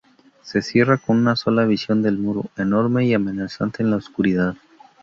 Se cierra con una sola visión del muro, enorme y amenazante en la oscuridad.